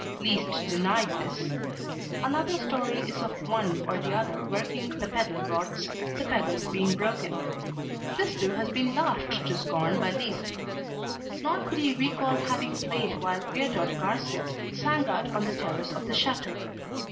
Liszt denied this. Another story is of one or the other working the pedal rods the pedals being broken. This too has been laughed to scorn by Liszt. Nor could he recall having played while Viardot Garcia sang out on the terrace of the chateau.